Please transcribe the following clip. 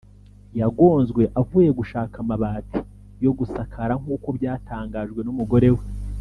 yagonzwe avuye gushaka amabati yo kugasakara nk’uko byatangajwe n’umugore we